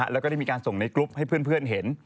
และมีการส่งไปในกลุ๊ปให้เพื่อนเห็น